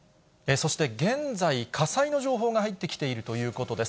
そして現在、火災の情報が入ってきているということです。